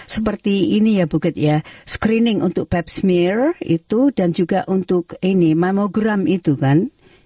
seperti ini ya buget ya screening untuk bap smear itu dan juga untuk ini mamogram itu kan